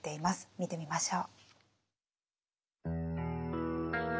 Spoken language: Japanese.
見てみましょう。